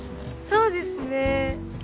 そうですね。